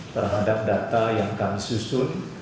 terhadap data yang kami susun